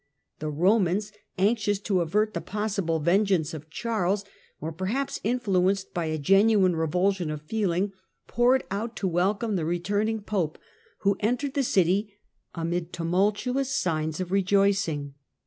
The Eomans, anxious to avert the possible vengeance of Charles, or perhaps influenced by a genuine revulsion of feeling, poured out to welcome the returning Pope, who entered the city amid tumultuous signs of rejoicing.